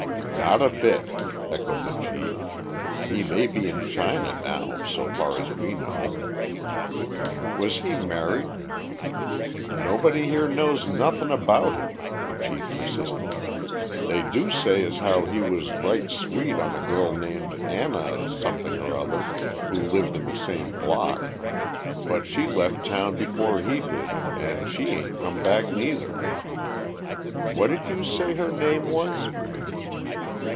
"Not a bit," echoed the chief. "He may be in China now, so far as we know." "Was he married?" "Nobody here knows nothin' about him," the chief persisted. "They do say as how he was right sweet on a girl named Anna Something or other who lived in the same block. But she left town before he did, and she 'ain't come back, neither." "What did you say her name was?"